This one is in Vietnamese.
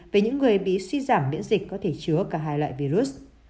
về những người bị suy giảm miễn dịch có thể chứa cả hai loại virus